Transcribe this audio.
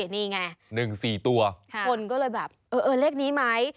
นี่ไงคนก็เลยแบบเออเลขนี้ไหมจันทบุรีนี่ไงหนึ่งสี่ตัว